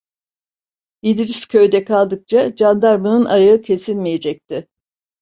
İdris köyde kaldıkça candarmanın ayağı kesilmeyecekti.